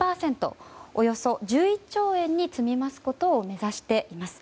およそ１１兆円に積み増すことを目指しています。